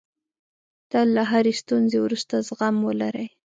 تل له هرې ستونزې وروسته زغم ولرئ.